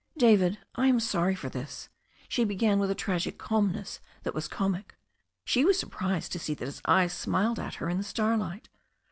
"David, I am sorry for this," she began with a tragic calmness that was comic. She was surprised to see that his eyes smiled at her in the starlight.